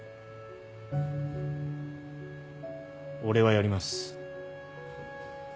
俺はやります。